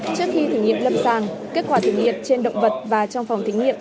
trước khi thử nghiệm lâm sàng kết quả thực hiện trên động vật và trong phòng thử nghiệm